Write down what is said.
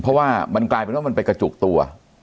เพราะว่ามันกลายเป็นว่ามันไปกระจุกตัว